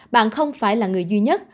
bạn không phải là người duy nhất